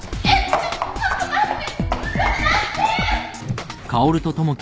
ちょっと待って。